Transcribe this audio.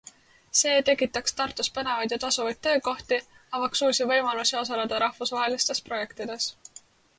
See tekitaks Tartus põnevaid ja tasuvaid töökohti, avaks uusi võimalusi osaleda rahvusvahelistes projektides.